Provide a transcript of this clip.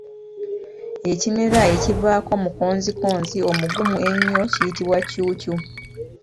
Ekimera ekivaako mukonzikonzi omugumu ennyo kiyitibwa Ccuucu